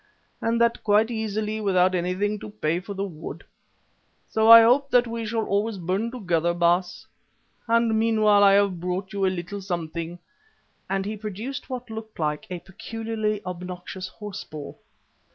"And that quite easily without anything to pay for the wood. So I hope that we shall always burn together, Baas. And meanwhile, I have brought you a little something," and he produced what looked like a peculiarly obnoxious horseball.